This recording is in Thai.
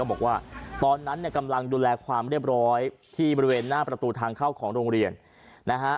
บอกว่าตอนนั้นเนี่ยกำลังดูแลความเรียบร้อยที่บริเวณหน้าประตูทางเข้าของโรงเรียนนะฮะ